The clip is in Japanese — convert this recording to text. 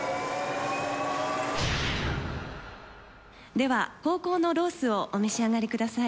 では後攻のロースをお召し上がりください。